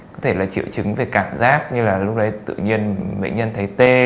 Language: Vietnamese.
có thể là triệu chứng về cảm giác như là lúc đấy tự nhiên bệnh nhân thấy tê